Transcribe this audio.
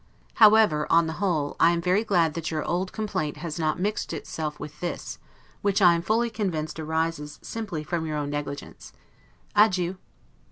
However, upon the whole, I am very glad that your old complaint has not mixed itself with this, which I am fully convinced arises simply from your own negligence. Adieu.